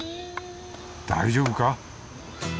大丈夫か？